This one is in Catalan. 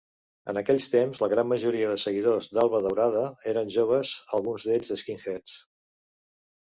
En aquells temps la gran majoria de seguidors d'Alba Daurada eren joves, alguns d'ells skinheads.